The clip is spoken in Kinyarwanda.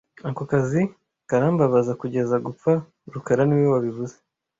Ako kazi karambabaza kugeza gupfa rukara niwe wabivuze